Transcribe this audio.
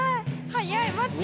早い待って。